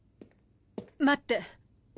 待って。